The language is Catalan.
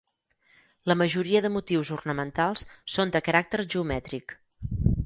La majoria de motius ornamentals són de caràcter geomètric.